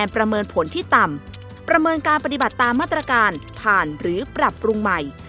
ประเมินผลที่ต่ำประเมินการปฏิบัติตามมาตรการผ่านหรือปรับปรุงใหม่